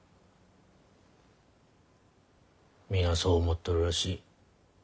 皆そう思っとるらしい。